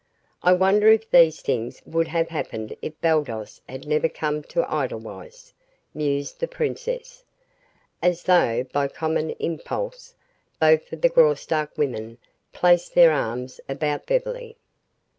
"I wonder if these things would have happened if Baldos had never come to Edelweiss?" mused the princess. As though by common impulse, both of the Graustark women placed their arms about Beverly.